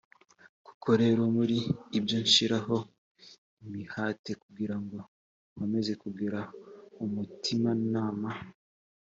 koko rero muri ibyo nshyiraho imihati kugira ngo nkomeze kugira umutimanama